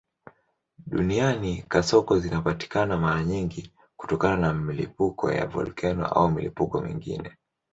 Duniani kasoko zinapatikana mara nyingi kutokana na milipuko ya volkeno au milipuko mingine.